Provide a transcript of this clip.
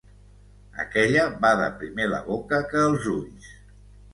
Aquella bada primer la boca que els ulls.